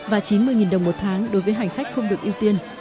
và chín mươi đồng một tháng đối với hành khách không được ưu tiên